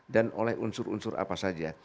dan oleh unsur unsur apa saja